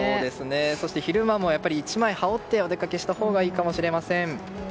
そして昼間も１枚羽織ってお出かけしたほうがいいかもしれません。